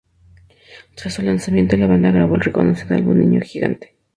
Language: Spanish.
Tras su lanzamiento, la banda grabó el reconocido álbum "Niño gigante".